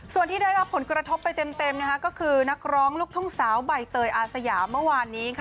ส่วนที่ได้รับผลกระทบไปเต็มนะคะก็คือนักร้องลูกทุ่งสาวใบเตยอาสยามเมื่อวานนี้ค่ะ